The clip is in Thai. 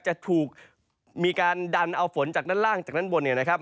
จะถูกมีการดันเอาฝนจากด้านล่างจากด้านบนเนี่ยนะครับ